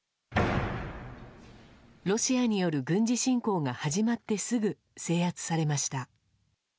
ロシアによる軍事侵攻が始まってすぐ制圧されました。